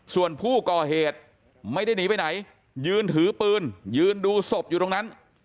ส่วนผู้ก่อเหตุไม่ได้หนีไปไหนยืนถือปืนยืนดูศพอยู่ตรงนั้น